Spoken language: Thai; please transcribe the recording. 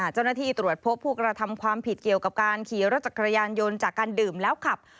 เจ้าหน้าที่ตรวจพบผู้กระทำความผิดเกี่ยวกับการขี่รถจักรยานยนต์จากการดื่มแล้วขับ